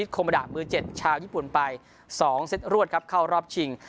โคมดามือ๗ชาวญี่ปุ่นไป๒เซตรวดครับเข้ารอบชิง